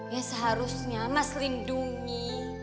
yang seharusnya mas lindungi